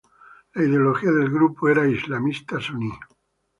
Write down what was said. La ideología del grupo era islamista suní.